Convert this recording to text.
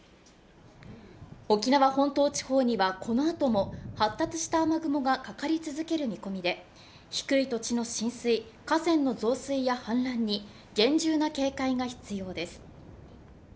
沖縄本島地方には、このあとも発達した雨雲がかかり続ける見込みで、低い土地の浸水、河川の増水や氾濫に厳重な警戒が必要です。